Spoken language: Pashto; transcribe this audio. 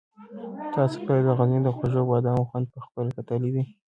تاسو کله د غزني د خوږو بادامو خوند په خپله کتلی دی؟